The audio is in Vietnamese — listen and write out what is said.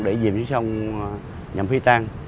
để dìm xuống sông nhằm phi trang